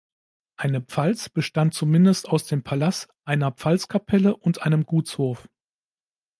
Eine Pfalz bestand zumindest aus dem Palas, einer Pfalzkapelle und einem Gutshof.